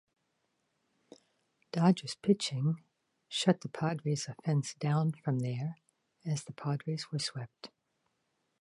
Dodgers pitching shut the Padres offense down from there as the Padres were swept.